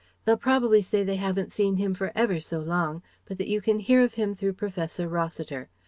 They'll probably say they haven't seen him for ever so long, but that you can hear of him through Professor Rossiter.